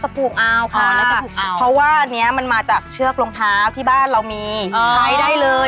เพราะว่าอันนี้มันมาจากเชือกรงท้าที่บ้านเรามีใช้ได้เลย